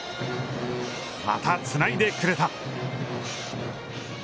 またつないでくれた。